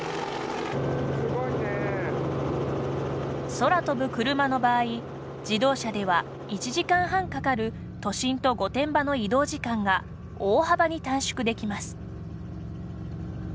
空飛ぶクルマの場合自動車では１時間半かかる都心と御殿場の移動時間が大幅に短縮できます。